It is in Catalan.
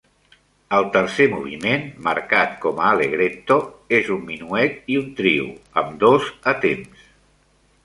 El tercer moviment, marcat com a Allegretto, és un minuet i un trio, ambdós a temps.